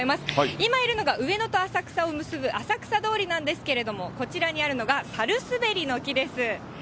今いるのが上野と浅草を結ぶ浅草通りなんですけれども、こちらにあるのが、サルスベリの木です。